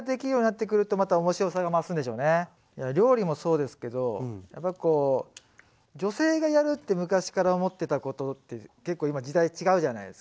いや料理もそうですけどやっぱりこう女性がやるって昔から思ってたことって結構今時代違うじゃないですか。